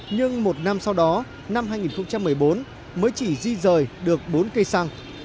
nhưng một năm sau đó năm hai nghìn một mươi bốn mới chỉ di rời được bốn cây xăng